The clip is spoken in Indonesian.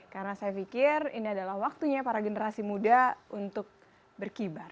karena saya pikir ini adalah waktunya para generasi muda untuk berkibar